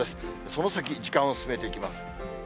その先、時間を進めていきます。